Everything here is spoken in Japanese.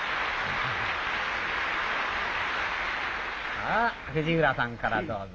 さあ藤浦さんからどうぞ。